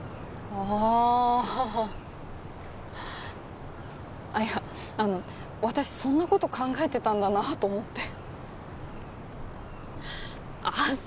ああっいや私そんなこと考えてたんだなと思ってああ